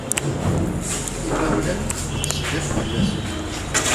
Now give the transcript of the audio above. Imawlan, nettseddiq fell-asen.